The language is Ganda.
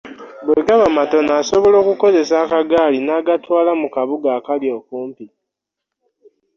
Bwe gaba amatono asobola okukozesa akagaali n’agatwala mu kabuga akali okumpi.